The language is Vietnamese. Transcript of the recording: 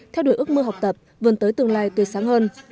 theo đuổi ước mơ học tập vươn tới tương lai tươi sáng hơn